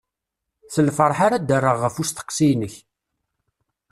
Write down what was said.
S lferḥ ara d-rreɣ ɣef usteqsi-inek.